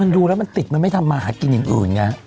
มันดูแล้วมันติดมาไม่ถำหากินหอยงอื่นนะ